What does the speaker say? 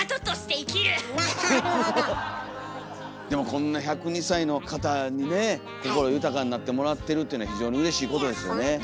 でもこんな１０２歳の方にね心豊かになってもらってるっていうのは非常にうれしいことですよね。